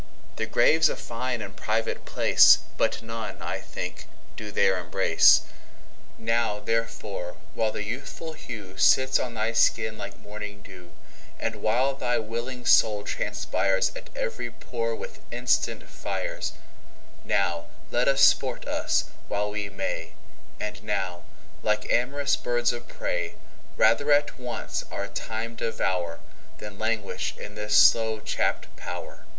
The Grave's a fine and private place, But none I think do there embrace. Now therefore, while the youthful hewSits on thy skin like morning [dew]And while thy willing Soul transpiresAt every pore with instant Fires, Now let us sport us while we may; And now, like am'rous birds of prey, Rather at once our Time devour, Than languish in his slow chapt pow'r.